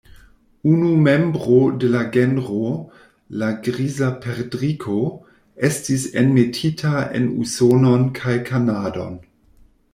Unu membro de la genro, la Griza perdriko, estis enmetita en Usonon kaj Kanadon.